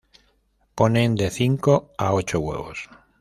Ponen de cinco a ocho huevos.